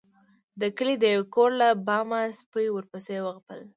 د کلي د يو کور له بامه سپي ورپسې وغپل.